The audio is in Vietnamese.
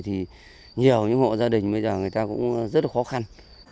thì nhiều những hộ gia đình bây giờ người ta cũng rất là khó khăn